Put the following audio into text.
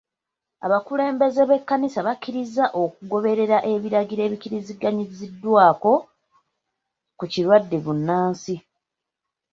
Abakulembeze b'ekkanisa bakkirizza okugoberera ebiragiro ebikkiriziganyiziddwako ku kirwadde bbunansi.